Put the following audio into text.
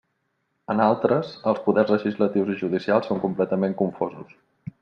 En altres, els poders legislatius i judicials són completament confosos.